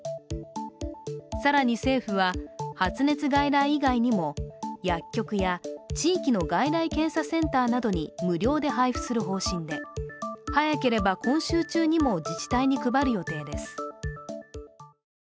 更に政府は、発熱外来以外にも、薬局や薬局や地域の外来検査センターなどに無料で配布する方針で早ければ今週中にも自治体に配る予定です。